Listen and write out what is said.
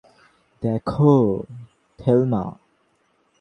দেখো, থেলমা।